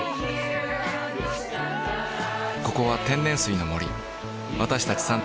ここは天然水の森私たち